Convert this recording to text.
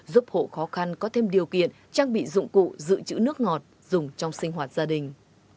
giúp hộ khó khăn có thêm điều kiện trang bị dụng cụ giữ chữ nước ngọt dùng trong sinh hoạt gia đình